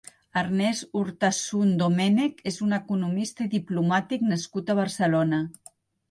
Ernest Urtasun Domènech és un economista i diplomàtic nascut a Barcelona.